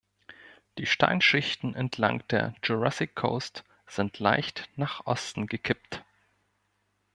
Die Steinschichten entlang der Jurassic Coast sind leicht nach Osten gekippt.